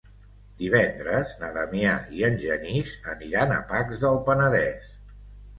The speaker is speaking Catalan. Divendres na Damià i en Genís aniran a Pacs del Penedès.